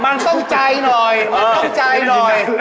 มันต้องใจหน่อย